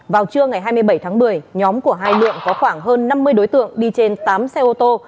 vào trưa ngày hai mươi bảy tháng một mươi nhóm của hai lượng có khoảng hơn năm mươi đối tượng đi trên tám xe ô tô